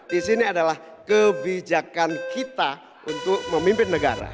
di sini adalah kebijakan kita untuk memimpin negara